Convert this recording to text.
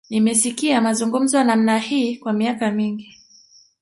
Nimesikia mazungumzo ya namna hii kwa miaka mingi